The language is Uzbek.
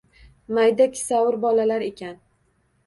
– Mayda kissavur bolalar ekan.